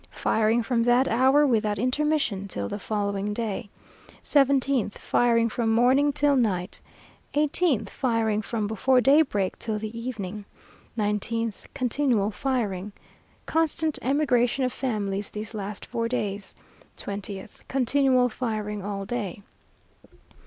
Firing from that hour, without intermission, till the following day. 17th, firing from morning till night. 18th, firing from before daybreak till the evening. 19th, continual firing. Constant emigration of families these last four days. 20th, continual firing all day.